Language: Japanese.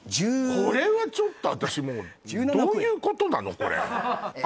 これはちょっと私もうどういうことなの？